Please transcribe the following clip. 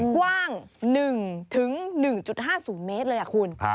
กว้าง๑ถึง๑๕๐เมตรเลยครับคุณ